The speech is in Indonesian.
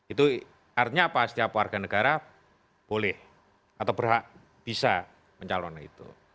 itu artinya apa setiap warga negara boleh atau berhak bisa mencalon itu